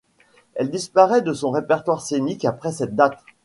Elle disparaît de son répertoire scénique après cette date.